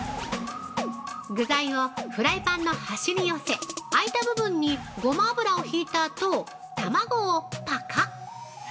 具材をフライパンの端に寄せ空いた部分にゴマ油を引いたあと卵をパカッ。